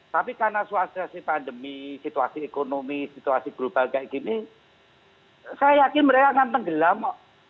tapi karena situasi pandemi situasi ekonomi situasi global kayak gini saya yakin mereka akan tenggelam